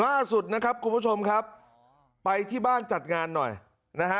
ล่าสุดนะครับคุณผู้ชมครับไปที่บ้านจัดงานหน่อยนะฮะ